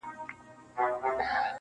o ورکړې یې بوسه نه ده وعده یې د بوسې ده,